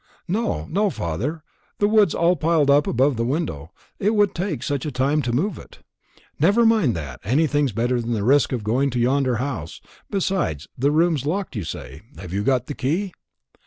"No, no, father. The wood's all piled up above the window. It would take such a time to move it." "Never mind that. Anything's better than the risk of going into yonder house. Besides, the room's locked, you say. Have you got the key?"